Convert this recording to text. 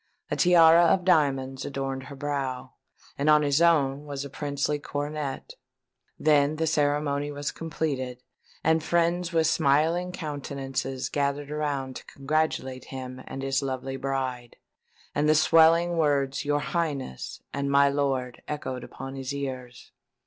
A tiara of diamonds adorned her brow and on his own was a princely coronet. Then the ceremony was completed; and friends with smiling countenances gathered around to congratulate him and his lovely bride; and the swelling words "Your Highness" and "My Lord" echoed upon his ears.